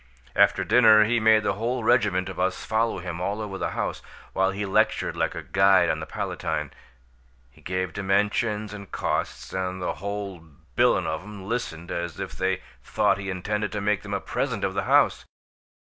After dinner he made the whole regiment of us follow him all over the house, while he lectured like a guide on the Palatine. He gave dimensions and costs, and the whole b'ilin' of 'em listened as if they thought he intended to make them a present of the house.